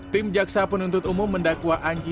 tim jaksa penuntut umum mendakwa anji